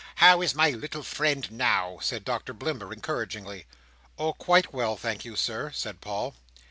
How is my little friend now?" said Doctor Blimber, encouragingly. "Oh, quite well, thank you, Sir," said Paul.